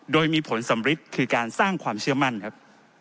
โดยมีผลสำริดคือการสร้างความเชื่อมั่นครับ